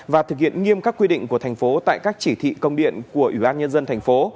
và thực hiện nghiêm các quy định của thành phố tại các chỉ thị công điện của ubnd tp